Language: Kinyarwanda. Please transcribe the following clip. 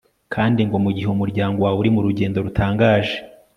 kandi ngo mu gihe umuryango wawe uri mu rugendo rutangaje